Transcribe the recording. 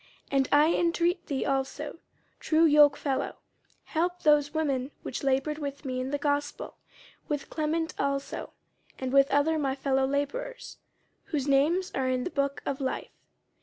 50:004:003 And I intreat thee also, true yokefellow, help those women which laboured with me in the gospel, with Clement also, and with other my fellowlabourers, whose names are in the book of life.